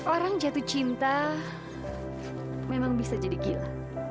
orang jatuh cinta memang bisa jadi gila